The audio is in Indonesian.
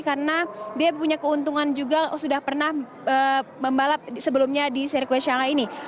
karena dia punya keuntungan juga sudah pernah membalap sebelumnya di sirkuit shanghai ini